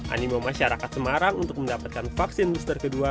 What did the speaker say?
animo masyarakat semarang untuk mendapatkan vaksin booster kedua